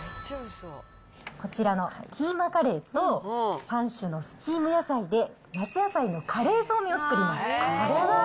こちらのキーマカレーと、３種のスチーム野菜で夏野菜のカレーそうめんを作ります。